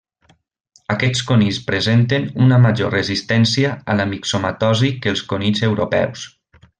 Aquests conills presenten una major resistència a la mixomatosi que els conills europeus.